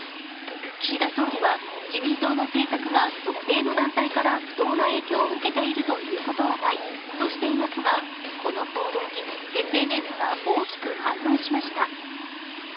岸田総理は自民党の政策が特定の団体から不当な影響を受けているということはないとしていますが、この報道にＳＮＳが大きく反応しました。